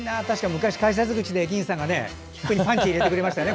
昔、改札口で駅員さんがパンチ入れてくれましたね